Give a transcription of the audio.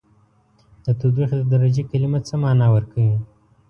د تودوخې د درجې کلمه څه معنا ورکوي؟